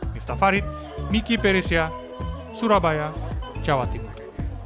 miftah farid miki peresia surabaya jawa timur